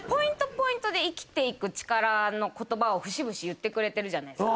ポイントで生きていく力の言葉を節々言ってくれてるじゃないですか。